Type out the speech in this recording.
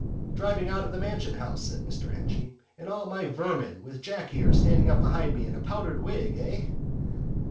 "Driving out of the Mansion House," said Mr Henchy, "in all my vermin, with Jack here standing up behind me in a powdered wig—eh?"